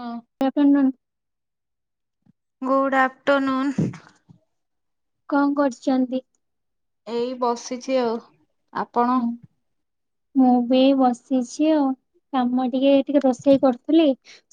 ହଁ [inaudible] good afternoon. କଣ କରୁଛନ୍ତି। ଏଇ ବସିଛି ଆଉ ଆପଣ। ମୁଁ ବି ବସିଛି ଆଉ କାମ ଟିକେ ଟିକେ ରୋଷେଇ କରୁଥିଲି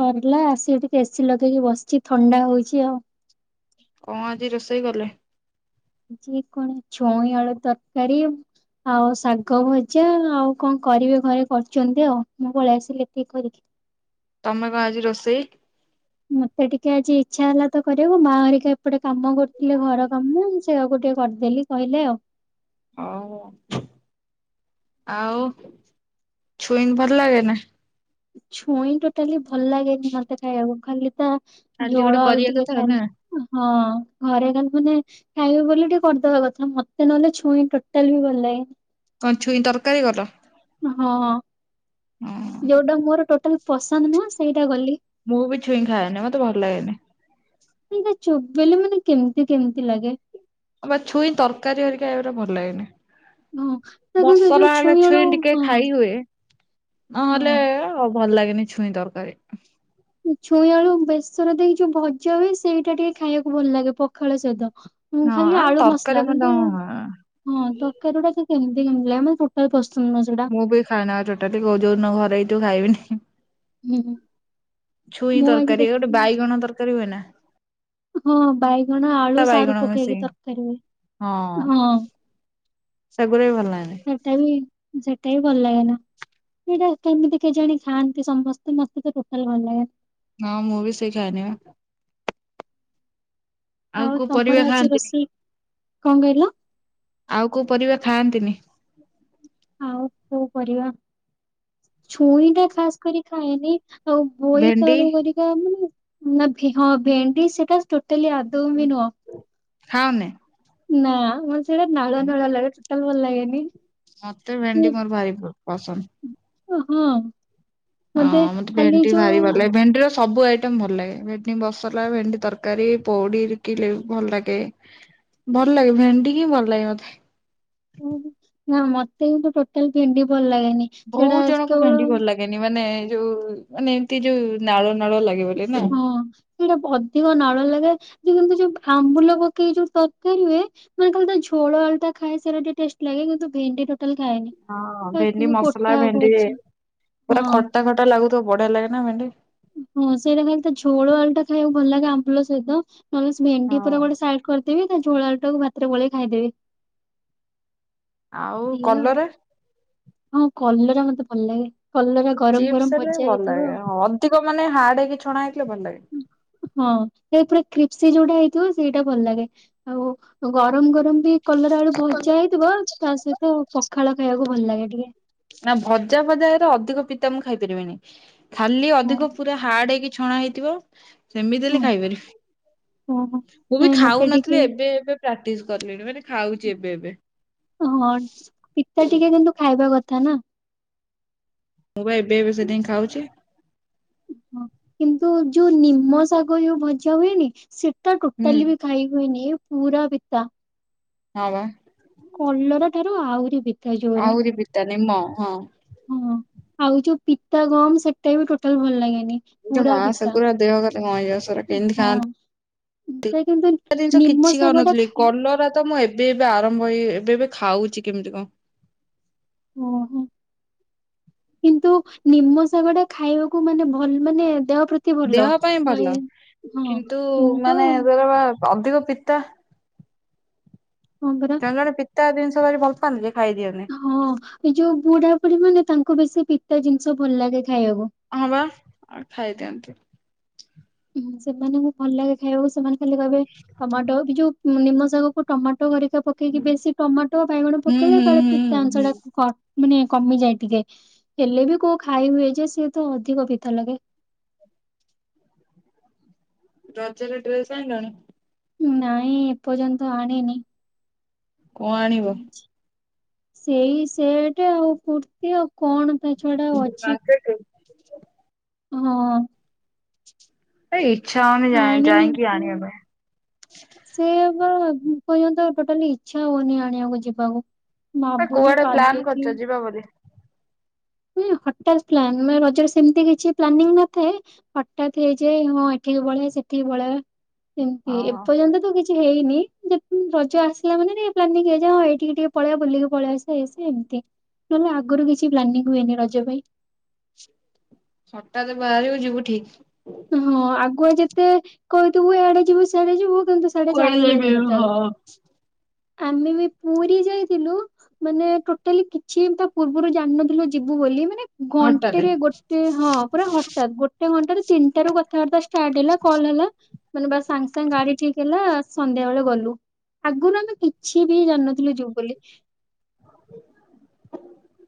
ସରିଲା ଆସିକି ଟିକେ ଏ ସି ଲଗେଇକି ବସିଛି ଥଣ୍ଡା ହଉଛି ଆଉ। କଁ ଆଜି ରୋଷେଇ କଲେ। ଯେ କଣ ଛୁଇଁ ଆଳୁ ତରକାରୀ ଆଉ ଶାଗ ଭଜା ଆଉ କଣ କରିବେ ଘରେ କରୁଛନ୍ତି ଆଉ ମୁଁ ପଳେଇ ଆସିଲି ଏତିକି କରିିକି। ତମେ କଣ ଆଜି ରୋଷେଇ। ମତେ ଟିକେ ଆଜି ଇଛା ହେଲା ତ କରିବାକୁ ମା ହରିକା ଏପଟେ କାମ କରୁଥିଲେ ଘର କାମ ସେୟାକୁ ଟିକେ କରିଦେଲି କହିଲେ ଆଉ। ହଉ ଆଉ ଆଉ ଛୁଇନ୍ ଭଲ ଲାଗେନା। ଛୁଇଁ ଟୋଟାଲି ଭଲ ଲାଗେନି ମତେ ଖାଇବାକୁ ଖାଲି ତ ଖାଲି ଗୋଟେ ଝୋଳ ଆଳୁ କରିବା ଟିକେ କଥା ଖାଲ୍ ନା ହଁ। ଘରେ ମାନେ ଖାଇବେ ବୋଲି ଟିକେ କରିଦବା କଥା ମତେ ନହେଲେ ଛୁଇଁ ଟୋଟାଲି ବି ଭଲ ଲାଗେନି। କଣ୍ ଛୁଇଁ ତରକାରୀ କଲ। ହଁ। ହଁ ଯୋଉଟା ମୋର ଟୋଟାଲ୍ ପସନ୍ଦ ନୁହଁ ସେଇଟା ଗଲି ମୁଁ ବି ଛୁଇଁ ଖାଏନି ମତେ ଭଲ୍ ଲାଗେନି। ସେଇଟା ଚୋବେଇଲେ ମାନେ କେମିତି କେମିତି ଲାଗେ। ଆ ବା ଛୁଇଁ ତରକାରୀ ହେରିକା ଏଗୁଡ଼ା ଭଲ୍ ଲାଗେନି। ହଁ ତା କିନ୍ତୁ ଯୋଉ ମସଲା ହେଲେ ଆଳୁ ଛୁଇଁ ଟିକେ ହଁ ଖାଇ ହୁଏ ନହେଲେ ହଁ। ଭଲ ଲାଗେନି ଛୁଇଁ ତରକାରୀ। ଛୁଇଁ ଆଳୁ ବେସର ଦେଇକି ଯୋଉ ଭଜା ହୁଏ ସେଇଟା ଟିକେ ଖାଇବାକୁ ଭଲ ଲାଗେ ପଖାଳ ସହିତ। ମୁଁ ଖାଲି ହଁ ଆଳୁ ତରକାରୀ ମସଲା ମତେ କିନ୍ତୁ ହଁ ତରକାରୀ ଗୁଡା କେମିତି କେମିତି ଲାଗେ ମତେ ଟୋଟାଲ୍ ମୁଁ ବି ଖାଏନା ଟୋଟାଲି କୋଉ ଯୋଉଦିନ ଘରେ ହେଇଥିବ ଖାଇବିନି। ହୁଁ। [inaudible] ଛୁଇଁ ମୁଁ ଆଜି ତରକାରୀ ଗୋଟେ ଦେଖି ବାଇଗଣ ତରକାରୀ ହୁଏ ନା। ହଁ ବାଇଗଣ ଆଳୁ ତା ସାରୁ ବାଇଗଣ ପକେଇକି ମିଶେଇକି ତରକାରୀ ହୁଏ ହଁ ସେଗୁରା ବି ଭଲ ଲାଗେନି। ସେଟା ବି ସେଟା ବି ଭଲ ଲାଗେନା ସେଇଟା କେମିତି କେଜାଣି ଖାଆନ୍ତି ସମସ୍ତେ ମତେ ତ ଟୋଟାଲ୍ ଭଲ ଲାଗେନା। ହଁ ମୁଁ ଭିି ସେଇ ଖାଏନି ବା। ଆଉ କୋଉ ପରିବା ଖାଆନ୍ତିନି? କଁ କହିଲ? ଆଉ କୋଉ ପରିବା ଖାଆନ୍ତିନି? ଆଉ କୋଉ ପରିବା ଛୁଇଁ ଟା ଖାସ୍ କରି ଖାଏନି ଆଉ ଭେଣ୍ଡି ବୋଇତାଳୁ ଘରିକା ମୁଁ ନା ହଁ ଭେଣ୍ଡି ସେଟା ଟୋଟାଲି ଆଦୌ ବି ନୁହଁ ଖାଅନି? ନା ମ ସେଇଟା ନାଳୁଆ ନାଳୁଆ ଲାଗେ ଟୋଟଲ ଭଲ ଲାଗେନି। ମତେ ଭେଣ୍ଡି ମୋର ଭାରି ପ ପସନ୍ଦ। ଓ ହଁ। ହଁ ମତେ ଖାଲି ଭେଣ୍ଡି ଭାରି ଯୋଉ ଭଲ ଲାଗେ। ଭେଣ୍ଡିର ସ୍ ସବୁ ଆଇଟମ ଭଲ ଲାଗେ। ଭେଣ୍ଡି ମସଲା ଭେଣ୍ଡି ତରକାରୀ। ପୋଡିିକିରି ଭଲ ଲାଗେ ଭଲ ଲାଗେ ଭେଣ୍ଡି ହିଁ ଭଲ ଲାଗେ ମତେ। ଉ ନା ମତେ ହିଁ ଟୋଟାଲ ଭେଣ୍ଡି ଭଲ ଲାଗେ ବହୁତ ଜଣଙ୍କୁ ଭେଣ୍ଡି ଭଲ ଲାଗେନି ମାନେ ଯୋଉ ମାନେ ଏମିତି ଯୋଉ ନାଳୁ ହଁ ସେଇଟା ବ ଅଧିକ ନାଳୁଆ ଲାଗେ କିନ୍ତୁ ଯୁ ଯୋଉ ଆମ୍ବୁଲ ପକେଇକି ଯୋଉ ତରକାରି ହୁଏ। ମାନେ ଖାଲି ତା ଝୋଳ ଆଳୁଟା ଖାଏ। ସେରା ଟିକେ ଟେଷ୍ଟ ଲାଗେ କିନ୍ତୁ ଭେଣ୍ଡି ଟା ହଁ ଭେଣ୍ଡି ମସଲା ଭେଣ୍ଡି ଭଜା ହଁ ପୁରା ଖଟା ଖଟା ଲାଗୁ ତ ବଢିଆ ଲାଗେ ନା ଭେଣ୍ଡି। ଉ ହଁ ସେଇଟା ଖାଲି ତା ଝୋଳ ଆଳୁଟା ଖାଇବାକୁ ଭଲ ଲାଗେ ଆମ୍ପୁଲ ସହିତ ନହେଲେ ସେ ହଁ ଭେଣ୍ଡି ପୁରା ଗୋଟେ ସାଇଡ କର୍ ଦେବି ତା ଝୋଳ ଆଳୁଟାକୁ ଭାତରେ ଗୋଳେଇ ଖାଇଦେବି। ଆଉ ଏଇଆ କଲରା? ହଁ କଲରା ମତେ ଭଲ ଲାଗେ। କଲରା ଗରମ ଚିପ୍ସ ଗରମ ହେଲେ ଭଜା ଭଲ ହେଇଥିବ। ଲାଗେ। ଅଧିକ ମାନେ ହାର୍ଡ ହେଇକି ଛଣା ହେଇଥିଲେ ଭଲ ହଁ ଲାଗେ। [inaudible] ଏ ପୁରା କ୍ରିପ୍ସି ଯୋଉଟା ହେଇଥିବ ସେଇଟା ଭଲ ଲାଗେ। ଆଉ ଗରମ ଗରମ ବି କଲର ଆଳୁ ଭଜା ହେଇଥିବ। ତା ସହିତ ପଖାଳ ଖାଇବାକୁ ଭ ଭଲ ଲାଗେ [inaudible] ନା ଭଜା ଭଜା ହେରା ଅଧିକ ପିତା ମୁଁ ଖାଇ ପାରିବିନି ଖାଲି ହଁ। ଅଧିକ ପୁରା ହାର୍ଡ ହେଇକି ଛଣା ହେଇଥିବ। ସେମିତି ହଁ ହେଲେ ଓହୋ ଖାଇପାରିବି। ମୁଁ ବି ନାଇଁ ମତେ ଟିକେ ଖାଉନଥିଲି ଏବେ ଏବେ ପ୍ରାକ୍ଟିସ କଲେଣି ମାନେ ଖାଉଛି ଏବେ ଏବେ। ହଁ ତ ନା। ମୁଁ ବା ଏବେ ଏବେ ସେଥାଇଁ ଖାଉଚି। ହଁ କେମ୍। ତ ଯଉ ନିମ ଶଗ୍ ଗ ଯୋଉ ଭଜା ହୁଏନି ସେ ଟା ହୁଁ ଟୋଟାଲି ବି ଖାଇ ହୁଏନି। ପୁରା ପିତା। ହ ବା। କଲରା ଠାରୁ ଆହୁରି ପିତା ଜୋରେ ଆହୁରି ପିତା ନିମ ହଁ ହଁ ଆଉ ଯୋଉ ପିତା ଗମ ସେଟା ବି ଟୋଟାଲ ଭଲ ଲାଗେ [unintelligible] ଦେହ କଥା କଣ ହେଇଯାଉଚି ସେରା କେମିତି ହଁ। ଖାଆନ୍ତି ସେ କିନ୍ତୁ [unintelligible] ଜିନିଷ ନିମ କିଛି ଶାଗ ଟା ଖାଉନଥିଲି ଖାଏ କଲରା ତ ମୁଁ ଏବେ ଏବେ ଏବେ ଆରମ୍ଭ ହେଇ ଏବେ ଏବେ ଖାଉଛି କେମିତି କଣ ଓହୋ କିନ୍ତୁ ନିମ ଶାଗ ଟା ଖାଇବାକୁ ମାନେ ଭଲ ମାନେ ଦେହ ପ୍ରତି ଭଲ। ଦେହ ପାଇଁ ଏଇ ଭଲ ହଁ କିନ୍ତୁ କିନ୍ତୁ ମାନେ ଧର ବା ଅଧିକ ପିତା ହଙ୍ଗରା ତା ଜିନିଷ ଭଲ ପାଆନ୍ତି ଯେ ଖାଇଦିଅନ୍ତି। ହଁ ଏ ଯୋଉ ବୁଢା ବୁଢୀ ମାନେ ତାଙ୍କ ବେଶୀ ପିତା ଜିନିଷ ଭଲ ଲାଗେ ଖାଇବାକୁ। ହଁ ବା ଖାଇଦିଅନ୍ତିୁ ସେମାନଙ୍କୁ ଭଲ ଲାଗେ ଖାଇବାକୁ ସେମାନେ ଖା କହିବେ ଟମାଟୋ ବି ଯୋଉ ନିମ ଶାଗକୁ ଟମାଟ ହରିକା ପକେଇକି ବେଶୀ ଟମାଟୋ ବାଇଗଣ ହୁଁ ପକେଇଲେ ହୁଁ କଲେ ତା ହୁଁ ପିତା ଅଂଶ ହୁଁ। ଟା କ ମାନେ କମିଯାଏ ଟିକେ ହେଲେ ବି କୋଉ ଖାଇ ହୁଏ ଯେ ସେତ ଅଧିକ ପିତା ଲାଗେ ରଜର ଡ୍ରେସ୍ ଆଇିଲଣି ନାଇଁ ଏପର୍ଯ୍ୟନ୍ତ ଆଣନି କଣ ଆଣିବ ସେଇ ସେଟ ଆଉ କୁର୍ତ୍ତି ଆଉ କଣ ତା ଛଡା ଆଉ ଅଛି [unintelligible] ହଁ ଏଇ ଇଛା ହୋଇନି ଯାଇ ଆଣିନି ଯାଇକି ତ। ଆଣିବା ପାଇଁ ସେ ବା ପର୍ଯ୍ୟନ୍ତ ଆଉ ଟୋଟାଲି ଇଚ୍ଛା ହଉନି ଆଣିବାକୁ ଯିବାକୁ ଭାବୁଛି କୁଆଡେ କାଲି ପ୍ଲାନ କରିଛ ଯିବା ବୋଲି? ହଠତ୍ ପ୍ଲାନ ମାନେ ରଜରେ ସେମିତି କିଛି ପ୍ଲାନିଂ ନଥାଏ ହଠତ୍ ହେଇଯାଏ ହଁ ଏଠିକି ପଳେଇ ସେଠି ପେଇବା ଏମତି ଓହୋ। ଏପର୍ଯ୍ୟନ୍ତ ତ କିଛି ହେଇନି ରଜ ଆସିଲା ମାନେ ପ୍ଲାନିଂ ହେଇଯା ହଁ ଏଇଠିକି ଟିକେ ପଳେଇଆ ବୁଲିକି ପଳେଇ ଆସିବା ଏମିତି ନହେଲେ ଆଗରୁ କିଛି ପ୍ଲାନିଂ ହୁଏନି ରଜ ପାଇଁ ହଠାତ ବାହାରିବୁ ଯିବୁ ଠିକ। ହଁ ଆଗୁଆ ଯେତେ କହିଥିବୁ ଏଆଡେ ଯିବୁ ସଆଡେ ଯିବୁ କିନ୍ତୁ ସିଆଡେ ଯାଇ କୁଆଡେ ହୁଏନି ଟୋଟାଲ। ଯାଇପରିବୁନୁ ହଁ। ଆମେ ବି ପୁରୀ ଯାଇଥିଲୁ ମାନେ ଟୋଟାଲି କିଛି ତା ପୂର୍ବରୁ ଜାଣିନଥିଲୁ ଯିବୁ ବୋଲି ମାନେ ହଠାତେ। ଘଣ୍ଟେରେ ଗୋଟେ ହଁ ପୁରା ହଠତ୍ ଗୋଟେ ଘଣ୍ଟେ ତିନିଟାରୁ କଥାବାର୍ତ୍ତା ଷ୍ଟାଟ୍ ହେଲା କଲ୍ ହେଲା ମାନେ ବା ସାଙ୍ଗେ ସାଙ୍ଗେ ଗାଡି ଠିକ ହେଲା ସନ୍ଧ୍ୟା ବେଳେ ଗଲୁ। ଆଗରୁ ଆମେ କିଛି ବି ଜାଣିନଥିଲୁ ଯିବୁ ବୋଲି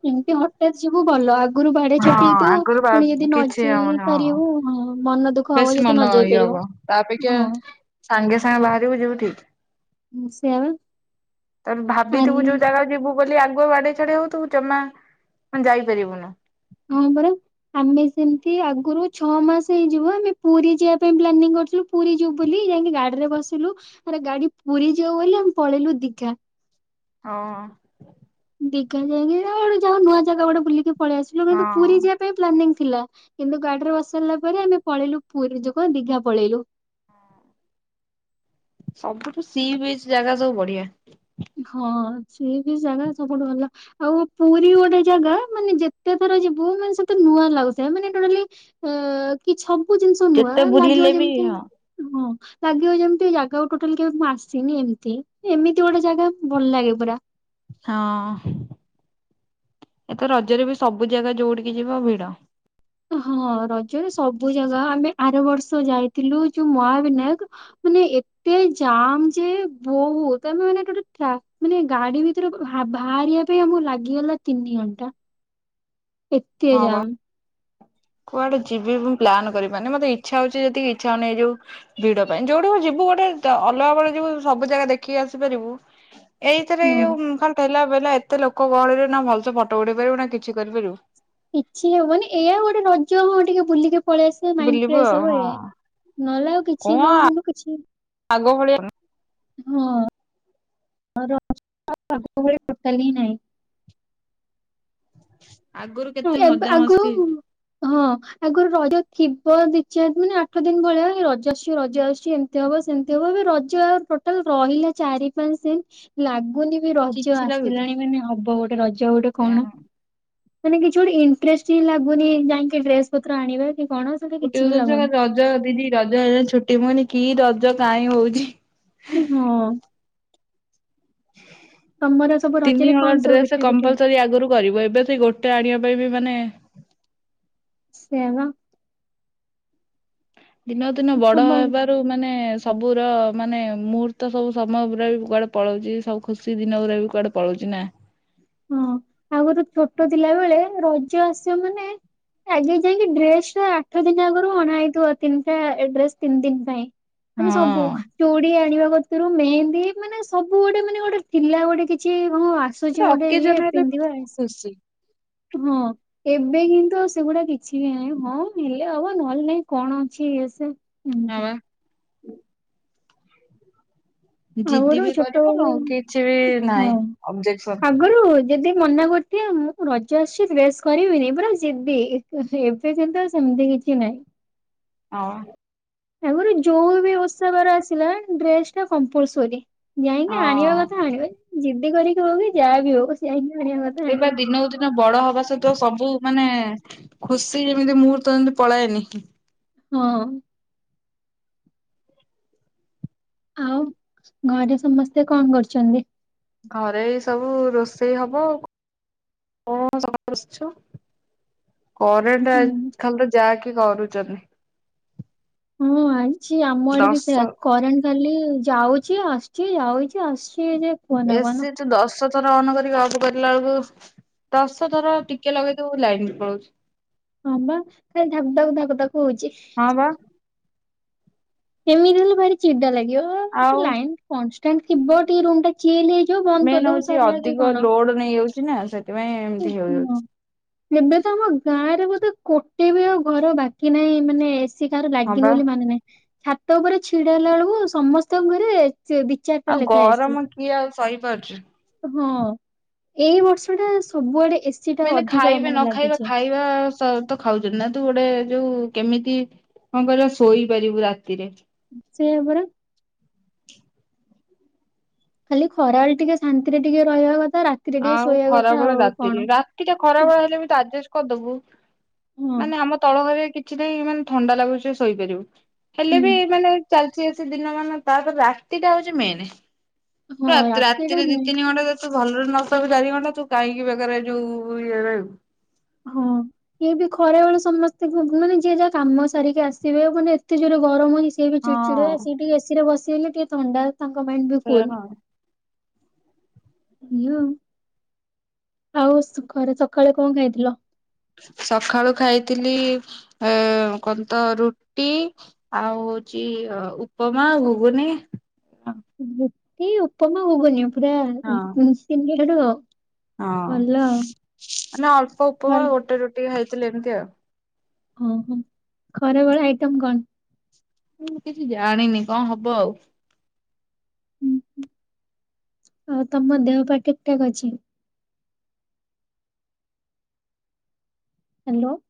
ଏମିତି ହଠାତ୍ ଯିବୁ ଭଲ ଘରୁ ବାଡେଇ ହଁ ଛାଟି ହେଇଥିବୁ ଆଗରୁ ବା ପୁଣି ଯଦି ନ କିଛି ଯାଇ ହବନି ହଁ। ପାରିବୁ ମନ ଦୁଃଖ ହବ ବେଶୀ ଯଦି ମନ ନ ଯାଇ ଇଏ ହବ ପାରିବ ତା ଅପେକ୍ଷା ହଁ। ସାଙ୍ଗେ ସାଙ୍ଗେ ବାହାରିବୁ ଯିବୁ ଠିକ। ହଁ ସେଇଆ ବା। ତ ଆମେ ଭାବିଥିବୁ ଆରେ ଯୋଉ ଜାଗାକୁ ଯିବୁ ବୋଲି ଆଗୁଆ ବାଡେଇ ଛାଟି ହଉଥିବୁ ଜମା ଯାଇପାରିବୁନୁ। ହଁ ପରା ଆମେ ସେମିତି ଆଗରୁ ଛଅ ମାସ ହେଇଯିବ ଆମେ ପୁରୀ ଯିବା ପାଇଁ ପ୍ଲାନିଂ କରିଥିଲୁ ପୁରୀ ଯିବୁ ବୋଲି ଯାଇକି ଗାଡିରେ ବସିଲୁ। ଆରେ ଗାଡି ପୁରୀ ଯିବ ବୋଲି ଆମେ ପଳେଇଲୁ ଦିଘା। ହଁ। ଦିଘା ଯାଇକି ଗୋଟେ ଯାହା ହଉ ନୂଆ ଜାଗା ଗୋଟେ ବୁଲିକି ପଳେଇ ଆସିଲୁ କିନ୍ତୁ ହଁ ପୁରୀ ଯିବା ପାଇଁ ପ୍ଲାନିଂ ଥିଲା କିନ୍ତୁ ଗାଡିରେ ବସିସାରିଲା ପରେ ଆମେ ପଳେଇଲୁ ପୁରୀ ଯୋଗୁ ଦିଘା ପଳେଇଲୁ। ସବୁଠୁ ସି ବିଚ ଜାଗା ସବୁ ବଢିଆ। ହଁ ସି ବିଚ ଜାଗା ସବୁଠୁ ଭଲ। ଆଉ ପୁରୀ ଗୋଟେ ଜାଗା ମାନେ ଯେତେ ଥର ଯିବୁ ମାନେ ସେତେ ନୂଆ ଲାଗୁଥାଏ। ମାନେ ଟୋଟାଲି କି ସବୁ ଜିନିଷ ନୁଆ ଯେତେ ଲାଗିବ ବୁଲିଲେ ବି ଯେମିତି ହଁ ହଁ। ଲାଗିବ ଯେମିତି ଜାଗାକୁ ଟୋଟାଲ କେବେ ମୁଁ ଆସିନି ଏମିତି। ଏମିତି ଗୋଟେ ଜାଗା ଭଲ ଲାଗେ ପୁରା। ହଁ ଏଥର ରଜରେ ବି ସବୁ ଜାଗା ଯୋଉଠିକି ଯିବ ଭିଡ। ହଁ ରଜରେ ସବୁ ଜାଗା ଆମେ ଆର ବର୍ଷ ଯାଇଥିଲୁ ଯୋଉ ମହାବିନାୟକ ମାନେ ଏତେ ଜାମ ଯେ ବହୁତ ଆମେ ମାନେ ଗୋଟେ ମାନେ ଗାଡି ଭିତରେ ବାହାରିବା ପାଇଁ ଆମକୁ ଲାଗିଗଲା ତିନି ଘଣ୍ଟା। ଏତେ ହଁ ବା ଯାମ୍ କୁଆଡେ ଯିବି ମୁଁ ପ୍ଲାନ୍ କରିପାରୁନି। ମତେ ଇଚ୍ଛା ହଉଛି ଯେତିକି ଇଚ୍ଛା ହଉନି ଏଇ ଯୋଉ ଭିଡ ପାଇଁ। ଯୋଉଠି ଯିବୁ ଗୋଟେ ଅଲଗା ବେଳେ ଯିବୁ ସବୁ ଜାଗା ଦେଖିକି ଆସିପାରିବୁ ଏଇଥରେ ହଁ ଯୋଉ ଘଣ୍ଟେ ହେଲା ଏତେ ଲୋକ ଗହଳିରେ ନା ଭଲସେ ଫଟୋ ଉଠେଇ ପାରିବୁ ନା କିଛି କରିପାରିବୁ କିଛି ହବନି ଏଇଆ ଗୋଟେ ରଜ ଆଉ ଟିକେ ବୁଲିକି ପଳେଇ ଆସିବ ମାଇଣ୍ଡ ବୁଲିବୁ ଫ୍ରେଶ ଆଉ ହବ ହଁ ଏଇଆ। ନହଲେ ଆଉ କଣ କିଛି ନୁହ କିନ୍ତୁ କିଛି ଆଗ ଭଳିଆ ହଁ, ର ଆଗ ଭଳିଆ ଟୋଟାଲ ହିଁ ନାହିଁ। ହ। ଏବେ ଆଗରୁ ହଁ। ଆଗରୁ ରଜ ଥିବ ଦି ଚାରି ଦିନ ଆଠ ଦିନ ଭଳିଆ ରଜ ଆସୁଛି ରଜ ଆସୁଛି ଏମତି ହବ ସେମିତି ହବ। ଏବେ ରଜ ଆଉ ଟୋଟାଲ ରହିଲା ଚାରି ପାଞ୍ଚ ଦିନ ଲାଗୁନି ରଜ କିଛି ଲାଗୁଛି ଆସିଲାଣି ମାନେ ହବ ଗୋଟେ ରଜ ଗୋଟେ ସେୟା କଣ ନୁହଁ। ମାନେ କିଛି ଗୋଟେ ଇଣ୍ଟରେଷ୍ଟ ହଁ ଲାଗୁନି ଯାଇକି ଡ୍ରେସ ପତ୍ର ଆଣିବା କି କଣ ସେଟା ମୋ କିଛି ବି ଟିଉସନ ଛୁଆ ଲାଗୁନି। ଖାଲି ରଜ ଦିଦି ରଜ ଛୁଟି। ମୁଁ କହିଲି କି ର ଜ କାଇଁ ହଉଛି। ହଁ। ତମର ସବୁ ରଜରେ ତିନିହଳ କଣ ସବୁ ଡ୍ରେସ ପିଠା ପିଠି ହୁଏ? କମ୍ପଲସର ଆଗରୁ କରିବ ଏବେ ସେ ଗୋଟେ ଆଣିବା ପାଇଁ ବି ମାନେ ସେବା। ଦିନ ଦିନ ବଡ ତମ ହେବାରୁ ମାନେ ସବୁର ମାନେ ମୁହୂର୍ତ୍ତ ସବୁ ସମୟ ପୁରା ବି କୁଆଡେ ପଳଉଛି ସବୁ ଖୁସି ଦିନ ପୁରା ବି କୁଆଡେ ପଳଉଛି ନା। ହଁ ଆଉ ଗୋଟେ ଛୋଟ ଥିଲା ବେଳେ ରଜ ଆସିବ ମାନେ ଆଗେ ଯାଇକି ଡ୍ରେସ ଟ ଆଠ ଦିନ ଆଗରୁ ଅଣା ହେଇଥିବ ତିନିଟା ଡ୍ରେସ ତିନି ଦିନ ପାଇଁ। ମାନେ ସବୁ ହଁ ଚୁଡି ଆଣିବା। ମ ମାନେ ସବୁ ଗୋଟେ ମାନେ ଗୋଟେ ଥିଲା ଗୋଟେ କିଛି ହଁ ଆସୁଛି ଗୋଟେ। କେ ଇଏ ଜମ ହେଲେ ମ ପିନ୍ଧିବା ଖୁସି ହଁ ଏବେ କିନ୍ତୁ ଆ ସେଗୁଡା କିଛି ବି ନାହିଁ ହଁ ହେଲେ ଆଉ ନହେଲେ ନାଇଁ କଣ ଅଛି ସେ। ଏମିତି ହବା। ହୁଁ ଜିଦି ଆଗରୁ ବି କରିବୁନୁ ଛୋଟବେଳେ କିଛି ବି ନହିଁ ହଁ। ଅବଜେକ୍ସନ। ଆଗରୁ ଯଦି ମନା କରୁଥ ମୁଁ ରଜ ଆସିଛି ଫ୍ରେଶ କରିବିନି ପରା ଯିଦି ଏବେ ଯେ ସେମତି କିଛି ନହିଁ। ହଁ ଏମାନେ ଜଉ ବି ବସ୍ ବା ଅ ଡ୍ରେସ ଟା। କମ୍ପୁଲ ସୀ ଯାଇକି ଆଣିବା ହଁ। କଥା ଆଣିବା। ଜିଦି କରିକି ହଉ କି ଯାହା ବିି ହଉ। ଯାଇକି ଆଣିବା କଥା ଏ ଆଣିବ। ବା ଦିନକୁ ଦିନ ବଡ ହବା ସହିତ ସବୁ ମାନେ ଖୁସି ଯେମିତି ମୁଁ ତ ଏମିତି ପଳାଏନି। ହଁ। ଆଉ ଘରେ ସମସ୍ତେ କଣ କରୁଛନ୍ତି। ଘରେ ସବୁ ରୋଷେଇ ହବ ଆ କ କରେଣ୍ଟ ଖାଲି ତ ଯାହାକ କରୁଛନ୍ତି। ହଁ ଆଇ। ଛି ଆମ ଆଡେ ବି ସେୟା ଦଶ କରେଣ୍ଟ ଖାଲି ଯାଉଛି ଆସଛି ଯାଉଛି ଆସ ଏ ସେ ତ ଦଶ ଥ ର ଅନ୍ କରିକି ଅଫ୍ କରିଲା ବେଳକୁ ଦଶ ଥର ଟିକେ ଲଗେଇଥିବୁ ଲାଇନ୍ ପଳଉଛୁ। ହଁ ବା ଖାଲି ଧାକୁ ତାକୁ ଧାକୁ ତାକ ହଉଚି। ହଁ ବା ଏମିତି ହେଲେ ଭାରି ଚିଡ଼ା ଲାଗ ଇଏ [unintelligible] ଆଉ ଲାଇନ୍ କନସ ଟ୍ରେନ ଥିବ ଟିକେ ରୁମ୍ ଟା ଚିଲ୍ ହେଇ ମେନ୍ ହଉଛି ଅଧିକ ଲୋଡ୍ ନେଇଯାଉ ଚିନା ସେ ସେଥିପାଇଁ ଏମତି ଓହୋ। ହେଉଯାଉଛି। ଏବେ ତ ଆମ ଗାଁରେ ବୋଧେ ଗୋଟେ ବି ଆଉ ଘର ବାକି ନାହିଁ ମାନେ ଏସ ସି କାହାର ହଁ ଲାଗିନି ବା ବୋଲି ମାନେ ନାହିଁ। ଛାତ ଉପରେ ଛିଡା ହେଲା ବେଳକୁ ସମସ୍ତଙ୍କ ଘରେ ଚେ- ଦି ଚାରିଟା ଆଉ ଲେଖା ଏସି ଗରମ କିଏ ଆଉ ସ ସହିପାରୁଚୁ। ହଁ ଏଇ ବର୍ଷ ଟା ସବୁଆଡେ ଏସି ଟା ମାନେ ଅଧିକ ଖାଇବେ ମାନେ ନ ଖାଇବା ଲାଗିଛି ଖାଇବା ସ-ତ ଖାଉଚନ୍ତି ନା ତୁ ଗୋଟେ ଯୋଉ କେମିତି କଣ କହିଲ ଶୋଇପାରିବୁ ରାତିରେ। ସେୟା ପରା। ଖାଲି ଖରାବେଳେ ଟିକେ ଶାନ୍ତିରେ ଟିକେ ରହିବା କ ଆଉ ଖରାବେଳେ ରାତିରେ ରାତିଟା ଖରାବେଳେ ହେଲେ ବି ତ ଆଜେଷ କଦବୁ। ହଁ ମାନେ ଆମ ତଳ ଘରେ କିଛି ନାଇଁ ମାନେ ଥଣ୍ଡା ଲାଗୁଚି ଶୋଇପାରିବୁ। ହେଲେ ହୁଁ ବି ମାନେ ଚାଲିଛି ଏସି ଦିନ ମାନ ତା ପରେ ରାତିଟା ହଉଚି ମେନେ। ହଁ ରାତିଟା ରା-ରାତିରେ ଦି ମେନ୍ ତିନି ଘଣ୍ଟା ଯ ତୁ ଭଲରେ ନ ତବେ ଚାରି ଘଣ୍ଟା ତୁ କାହିଁକି ବେକାର ଏ ଯୋଉ ଇଏ ରହିବୁ। ହଁ ଇଏ ବି ଖରା ବେଳେ ସମସ୍ତେ ଗୁ-ଗୁ-ମାନେ ଯିଏ ଯାହା କାମ ସାରିକି ଆସିବେ ମାନେ ଏତେ ଜୋରେ ଗରମ ହଉଚି ସିଏ ବି ଚିଡ ଚିଡ ହୁଏ ହଁ ଆସିକି ଟିକେ ଏସି ରେ ବସ ସିଲେ ଟିକେ ଥଣ୍ଡା ତାଙ୍କ ମାଇଣ୍ଡ ବି ସେଇଆ କୁଲ୍। ନା। ହାଲୋ। ଆଉ ସୁଖରେ ସକାଳେ କଣ ଖାଇଥିଲ? ସକାଳୁ ଖାଇଥିଲି କନ ତ ରୁଟି ଆଉ ହୋଉଚି ଉପମା ଆଉ ଘୁଗୁନି। ରୁଟି ଉପମା ଘୁଗୁନି? ପୁରା ମେ-ମେସିନ ରେ ସେଠୁ ହଁ ମାନେ ଅଳ୍ପ ଉପମା ଖରା ଗୋଟେ ରୋଟି ଖାଇ ଥିଲି ଏମତି ଆଉ। ଓହୋ ଖରାବେଳେ ଆଇଟମ କଣ ମୁଁ କିଛି ଜାଣିନି କଣ ହବ ଆଉ। ଆଉ ତମ ଦେହ ପା ଠିକଠାକ ଅଛି? ହାଲୋ।